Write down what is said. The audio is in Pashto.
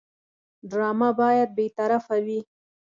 ډرامه باید بېطرفه وي